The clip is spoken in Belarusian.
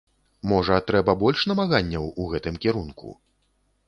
Можа, трэба больш намаганняў у гэтым кірунку?